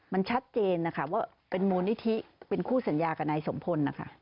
มันชัดเจนนะคะว่าเป็นมูลนิธิเป็นคู่สัญญากับนายสมพลนะคะ